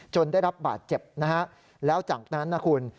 จนได้รับบาทเจ็บแล้วจากนั้นน่ะคุณ